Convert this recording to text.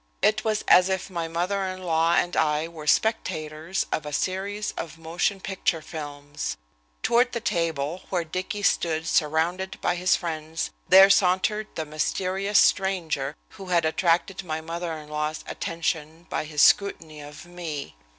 It was as if my mother in law and I were spectators of a series of motion picture films. Toward the table, where Dicky stood surrounded by his friends, there sauntered the mysterious stranger, who had attracted my mother in law's attention by his scrutiny of me.